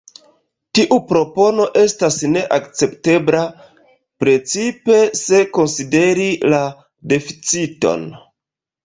Tiu propono estas ne akceptebla, precipe se konsideri la deficiton.